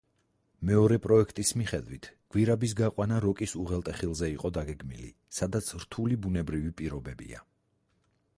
მეორე პროექტის მიხედვით, გვირაბის გაყვანა როკის უღელტეხილზე იყო დაგეგმილი, სადაც რთული ბუნებრივი პირობებია.